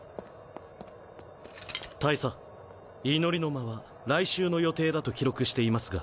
大佐祈りの間は来週の予定だと記録していますが。